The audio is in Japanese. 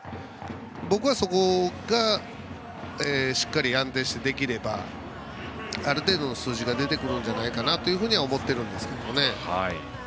僕はそこがしっかりと安定してできればある程度の数字が出てくるんじゃないかなとは思っているんですけどね。